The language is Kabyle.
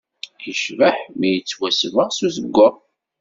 Yecbeḥ mi yettwasbeɣ s uzewwaɣ.